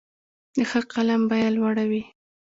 د ښه قلم بیه لوړه وي.